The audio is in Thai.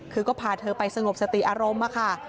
คือก็พาเธอไปสงบสติอารมณ์ค่ะ